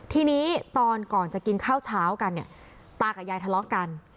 ทีนี้ตอนก่อนจะกินข้าวเช้ากันเนี่ยตากับยายทะเลาะกัน